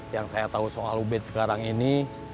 yang saya tahu soal ubid sekarang ini